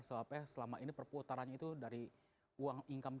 sebabnya selama ini perputarannya itu dari uang income